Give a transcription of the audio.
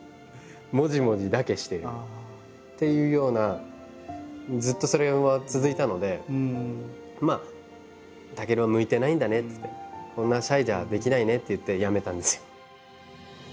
もじもじだけしてるっていうようなずっとそれは続いたので「健は向いてないんだね」っつって「こんなシャイじゃできないね」って言ってやめたんですよ。